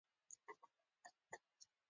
د باروتو غږ ویره لري.